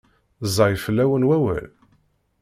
Ẓẓay fell-awen wawal?